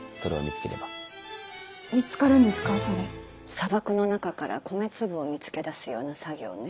砂漠の中から米粒を見つけ出すような作業ね。